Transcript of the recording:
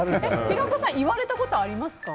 平子さんは言われたことありますか？